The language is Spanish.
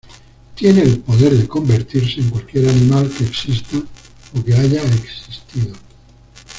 Tiene el poder de convertirse en cualquier animal que exista o que haya existido.